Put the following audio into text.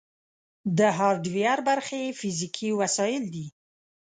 د هارډویر برخې فزیکي وسایل دي.